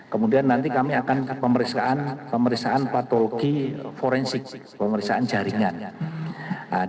kemudian nanti kami akan pemeriksaan patologi forensik pemeriksaan jaringan